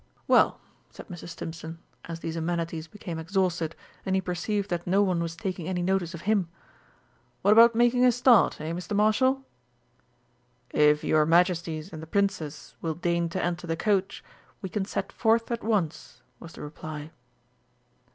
"Well," said Mr. Stimpson, as these amenities became exhausted and he perceived that no one was taking any notice of him, "what about making a start, hey, Mr. Marshal?" "If your Majesties and the Princess will deign to enter the coach, we can set forth at once," was the reply.